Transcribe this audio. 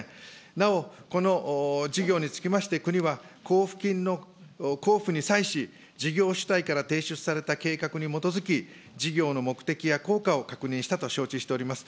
なおこの事業につきまして、国は交付金の交付に際し、事業主体から提出された計画に基づき、事業の目的や効果を確認したと承知しております。